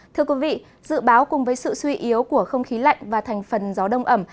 thưa quý vị dự báo cùng với sự suy yếu của không khí lạnh và thành phần gió đông ẩm